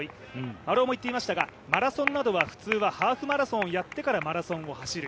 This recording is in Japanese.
丸尾も言っていましたが、マラソンなどは普通はハーフマラソンをやってからマラソンを走る。